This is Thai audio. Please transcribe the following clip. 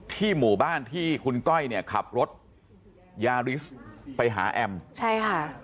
หมู่บ้านที่คุณก้อยเนี่ยขับรถยาริสไปหาแอมใช่ค่ะ